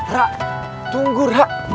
ra tunggu ra